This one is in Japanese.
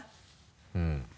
うん。